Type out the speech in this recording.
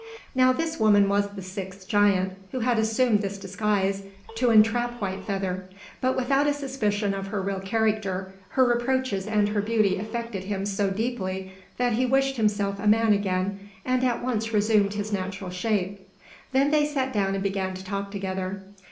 Now this woman was the sixth giant, who had assumed this disguise to entrap White Feather. But without a suspicion of her real character, her reproaches and her beauty affected him so deeply that he wished himself a man again, and at once resumed his natural shape. Then they sat down and began to talk together.